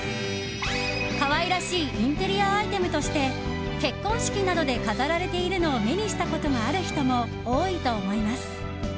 可愛らしいインテリアアイテムとして結婚式などで飾られているのを目にしたことがある人も多いと思います。